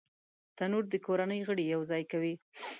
تنور د کورنۍ غړي یو ځای کوي